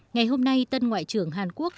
ngày hôm nay tân ngoại trưởng hàn quốc